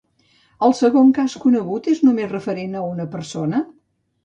El segon cas conegut és només referent a una persona?